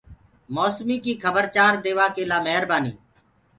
موسمي ڪي کبر چآر ديوآ ڪي لآ مهربآني۔